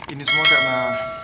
ini semua karena